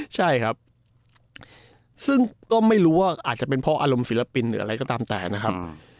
ใช่ครับซึ่งก็ไม่รู้ว่าอาจจะเป็นเพราะอารมณ์ศิลปินหรืออะไรก็ตามแต่นะครับ